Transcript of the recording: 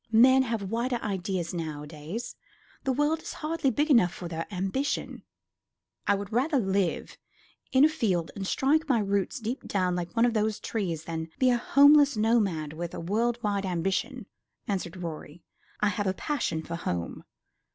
Men have wider ideas nowadays. The world is hardly big enough for their ambition." "I would rather live in a field, and strike my roots deep down like one of those trees, than be a homeless nomad with a world wide ambition," answered Rorie. "I have a passion for home."